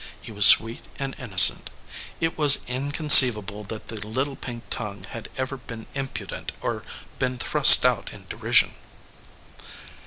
He was sweet and innocent. It was inconceivable that the little pink tongue had ever been impudent or been thrust out in de rision.